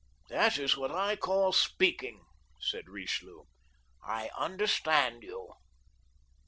" That is what I call speaking," said Richelieu; I understand you."